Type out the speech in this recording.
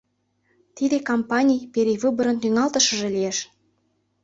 — Тиде кампаний перевыборын тӱҥалтышыже лиеш.